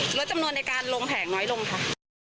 ลดจำนวนในการลงแผงน้อยลงค่ะ